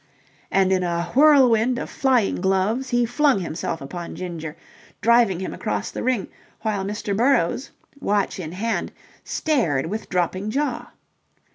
And in a whirlwind of flying gloves he flung himself upon Ginger, driving him across the ring, while Mr. Burrowes, watch in hand, stared with dropping jaw.